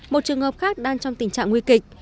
một trường hợp khác đang trong tình trạng nguy kịch